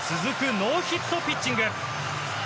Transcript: ノーヒットピッチング。